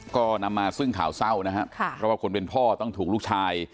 ก็นำมาซึ่งข่าวเศร้านะครับเพราะว่าคนเป็นพ่อต้องถูกลูกชาย